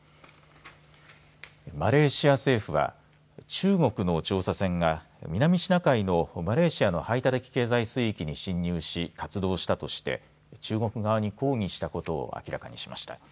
マレーシア政府は中国の調査船が南シナ海のマレーシアの排他的経済水域に侵入し活動したとして中国側に抗議したことを明らかにしました。